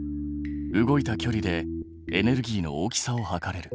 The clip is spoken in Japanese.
動いた距離でエネルギーの大きさを測れる。